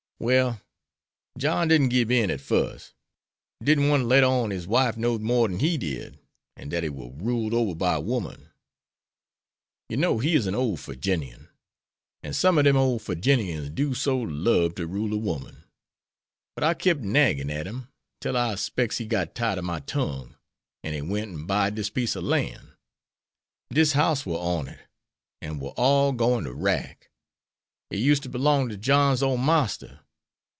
Well, John didn't gib in at fust; didn't want to let on his wife knowed more dan he did, an' dat he war ruled ober by a woman. Yer know he is an' ole Firginian, an' some ob dem ole Firginians do so lub to rule a woman. But I kep' naggin at him, till I specs he got tired of my tongue, an' he went and buyed dis piece ob lan'. Dis house war on it, an' war all gwine to wrack. It used to belong to John's ole marster.